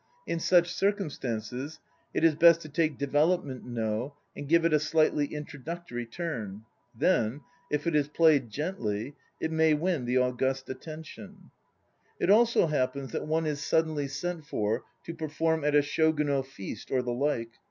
In such circumstances it is best to take Development No and give it a slightly "introductory" turn. Then, if it is played gently, it may win the August Attention. It also happens that one is suddenly sent for to perform at a unal feast or the like.